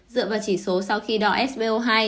dựa vào chỉ số sau khi đo spo hai